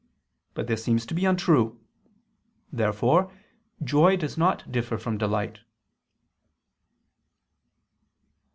But this seems to be untrue. Therefore joy does not differ from delight.